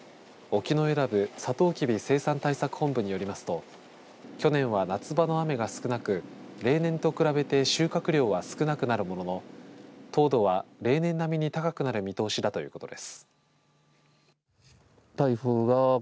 沖永良部さとうきび生産対策本部によりますと去年は夏場の雨が少なく例年と比べて収穫量は少なくなるものの糖度は例年並みに高くなる見通しだということです。